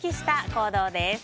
行動です。